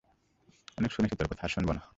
অনেক শুনেছি তোর কথা, আর শুনব না।